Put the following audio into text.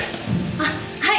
あっはい。